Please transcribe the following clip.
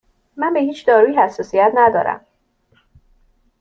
من به هیچ دارویی حساسیت ندارم.